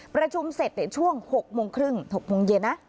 ประชุมเสร็จช่วง๖โมงครึ่ง๖โมงเย็นนะ